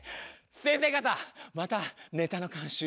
先生方またネタの監修